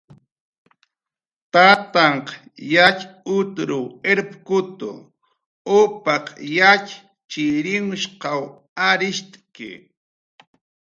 Tantanhq yatxutruw irpkutu, upaq yatxchirinhshqaw arisht'ki